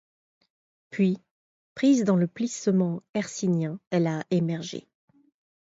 Puis, prise dans le plissement hercynien, elle a émergé.